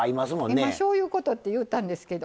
今「しょうゆうこと」って言うたんですけど。